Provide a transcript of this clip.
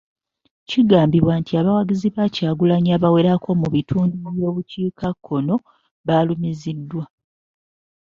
Kigambibwa nti abawagizi ba Kyagulanyi abawerako mu bitundu by'omu bukiika kkono baalumiziddwa.